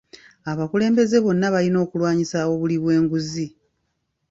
Abakulembeze bonna balina okulwanisa obuli bw'enguzi,